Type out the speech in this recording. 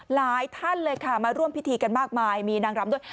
หลายท่านเลยค่ะมาร่วมพิธีกันมากมายมีนางรำด้วย